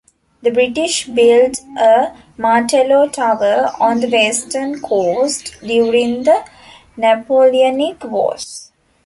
The British built a Martello tower on the western coast during the Napoleonic Wars.